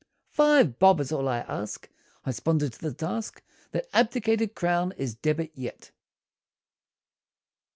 Five bob is all I ask," I 'sponded to the task, That abdicated crown is debit yet!